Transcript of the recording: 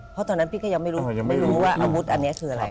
เพราะตอนนั้นพี่ก็ยังไม่รู้ยังไม่รู้ว่าอาวุธอันนี้คืออะไร